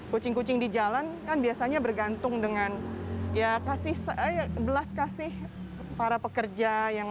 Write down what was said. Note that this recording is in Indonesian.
kucing kucing di jalan kan biasanya bergantung dengan ya kasih saya belas kasih para pekerja yang